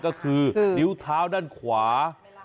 ก็คือนิ้วเท้าด้านขวา